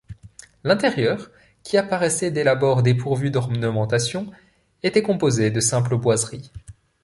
L'intérieur, qui apparaissait dès l'abord dépourvu d'ornementation, était composé de simples boiseries.